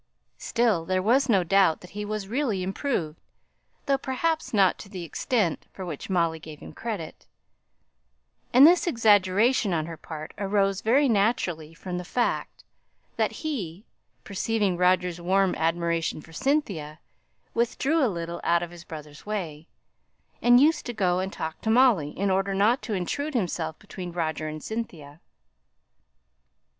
Still there was no doubt that he was really improved, though perhaps not to the extent for which Molly gave him credit; and this exaggeration on her part arose very naturally from the fact, that he, perceiving Roger's warm admiration for Cynthia, withdrew a little out of his brother's way; and used to go and talk to Molly in order not to intrude himself between Roger and Cynthia.